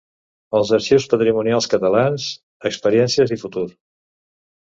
"Els arxius patrimonials catalans: experiències i futur".